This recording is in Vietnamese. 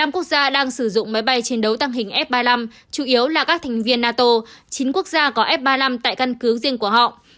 năm quốc gia đang sử dụng máy bay chiến đấu tăng hình f ba mươi năm chủ yếu là các thành viên nato chín quốc gia có f ba mươi năm tại căn cứ riêng của họ